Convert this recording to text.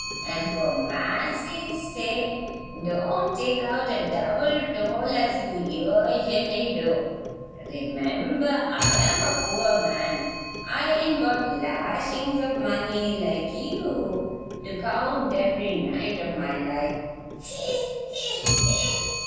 And for massy's sake don't take out a double toll as you us'ally do. Remember I'm a poor man I ain't got lashin's of money like you to count ev'ry night of my life he, he, he!"